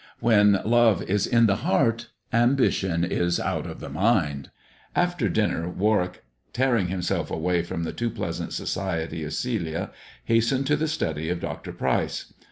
When love is in the heart, ambition is out of the mind. After dinner Warwick, tearing himself away from the too pleasant society of Celia, hastened to the study of Dr. Pryce.